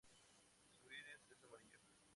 Su iris es amarillo.